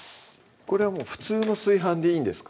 これはもう普通の炊飯でいいんですか？